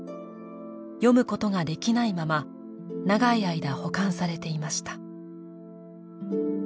読むことができないまま長い間保管されていました。